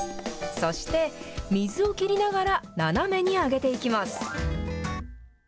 そして、水を切りながら、斜めに上げていきます。